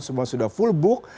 semua sudah full book